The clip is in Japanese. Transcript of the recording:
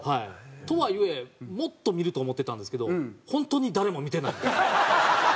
とはいえもっと見ると思ってたんですけど本当に誰も見てない。